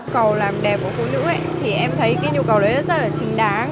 cầu làm đẹp của phụ nữ thì em thấy cái nhu cầu đấy rất là trình đáng